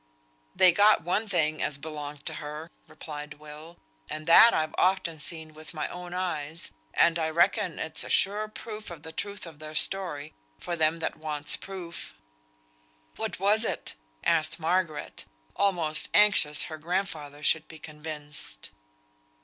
"They got one thing as belonged to her," replied Will, "and that I've often seen with my own eyes, and I reckon it's a sure proof of the truth of their story; for them that wants proof." "What was it?" asked Margaret, almost anxious her grandfather should be convinced.